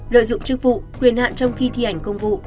lợi dụng chức vụ quyền hạn trong khi thi hành công vụ